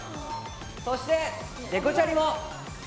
そして、デコチャリも。